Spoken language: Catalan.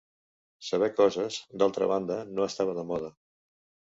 Saber coses, d'altra banda, no estava de moda.